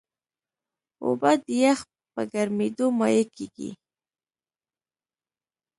اوبه د یخ په ګرمیېدو مایع کېږي.